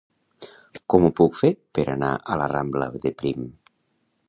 Com ho puc fer per anar a la rambla de Prim?